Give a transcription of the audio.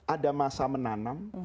ada masa menanam